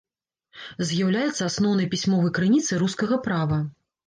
З'яўляецца асноўнай пісьмовай крыніцай рускага права.